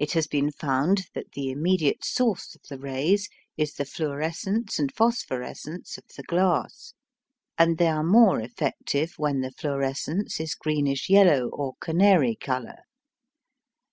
It has been found that the immediate source of the rays is the fluorescence and phosphorescence of the glass, and they are more effective when the fluorescence is greenish yellow or canary colour.